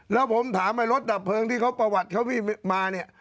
แล้วผมถามไอ้รถดับเพลิงที่เขาประวัติเขาพี่มาเนี่ย